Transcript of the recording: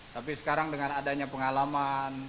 tapi sekarang dengan adanya pengalaman